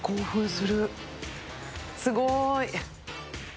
すごーい！